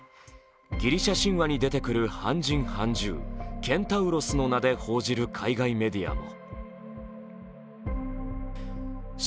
ギリシャ神話に出てくる半人半獣・ケンタウロスの名で報じる海外メディアも。